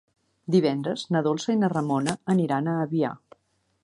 Divendres na Dolça i na Ramona aniran a Avià.